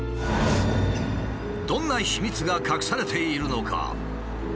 どんな秘密が隠されているのか？